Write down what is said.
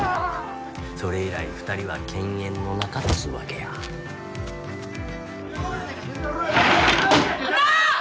それ以来２人は犬猿の仲っつうわけや。あんた！